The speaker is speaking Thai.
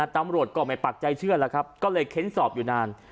ตำรวจก็ไม่ปักใจเชื่อแล้วครับก็เลยเค้นสอบอยู่นาน